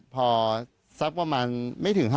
พอสักประมาณไม่ถึง๕๐